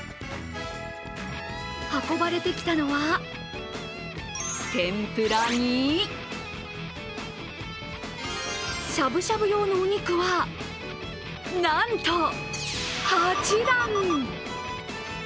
運ばれてきたのは天ぷらにしゃぶしゃぶ用のお肉はなんと８段！